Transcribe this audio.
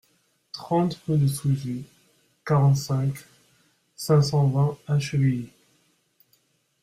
trente rue de Sougy, quarante-cinq, cinq cent vingt à Chevilly